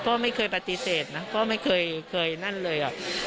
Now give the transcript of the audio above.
ก็ไม่เคยปฏิเสธนะก็ไม่เคยนั่นเลย